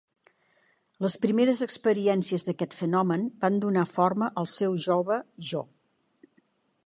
Les primeres experiències d'aquest fenomen van donar forma al seu jove jo.